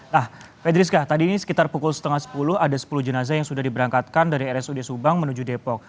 nah pedriska tadi ini sekitar pukul setengah sepuluh ada sepuluh jenazah yang sudah diberangkatkan dari rsud subang menuju depok